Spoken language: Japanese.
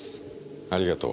ありがとう。